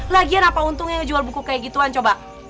lagian apa untungnya ngejual buku kaya gituan coba